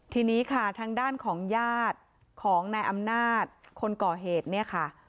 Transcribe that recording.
ทีนี้ค่ะทางด้านของญาติของนายอำนาจคนก่อเหตุเนี่ยค่ะ